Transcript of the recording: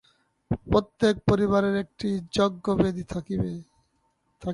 প্রত্যেক পরিবারে একটি যজ্ঞবেদী থাকিত।